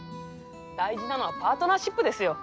大事なのはパートナーシップですよ。